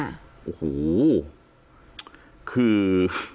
โอ้โหคือ